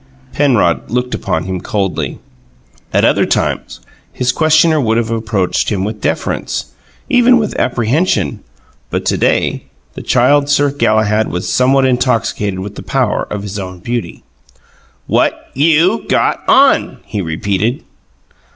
Penrod looked upon him coldly. At other times his questioner would have approached him with deference, even with apprehension. But to day the Child Sir Galahad was somewhat intoxicated with the power of his own beauty. "What YOU got on?" he repeated.